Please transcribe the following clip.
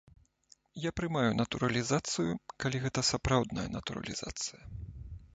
Я прымаю натуралізацыю, калі гэта сапраўдная натуралізацыя.